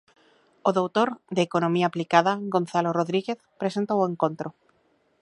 O doutor de Economía Aplicada, Gonzalo Rodríguez presentou o encontro.